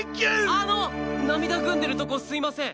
あの涙ぐんでるとこすいません。